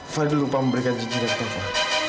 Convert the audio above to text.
fadil lupa memberikan janjinan taufan